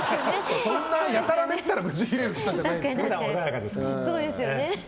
そんなやたらめったらブチギレる人じゃないから。